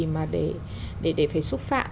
mà để phải xúc phạm